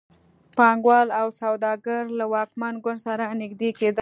پانګوال او سوداګر له واکمن ګوند سره نږدې کېدل.